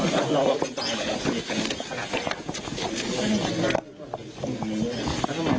อยากบอกว่าขอโทษค่ะ